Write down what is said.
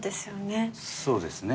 そうですね。